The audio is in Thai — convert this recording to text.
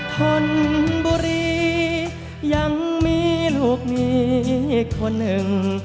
ทนบุรียังมีลูกมีคนหนึ่ง